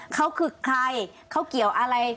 เขาคือใครเขาเกี่ยวอะไร